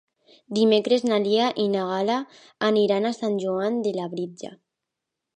Dimecres na Lia i na Gal·la aniran a Sant Joan de Labritja.